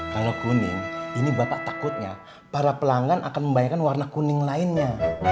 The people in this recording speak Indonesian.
kalau kuning ini bapak takutnya para pelanggan akan membayangkan warna kuning lainnya